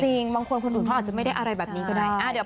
จริงบางคนควรคุณพ่ออาจจะไม่ได้อะไรแบบนี้ก็ได้